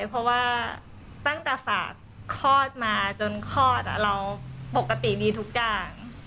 เพราะว่าตั้งแต่ฝากคลอดมาจนคลอดเราปกติมีทุกอย่าง